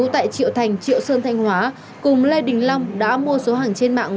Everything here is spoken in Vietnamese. tại triệu thành triệu sơn thanh hóa cùng lê đình long đã mua số hàng trên mạng